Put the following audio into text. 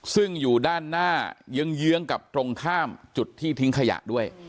ซึ่งอยู่ด้านหน้าเยื้องกับตรงข้ามจุดที่ทิ้งขยะด้วย